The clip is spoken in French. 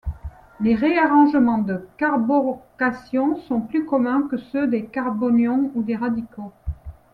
Les réarrangement de carbocations sont plus communs que ceux des carbanions ou des radicaux.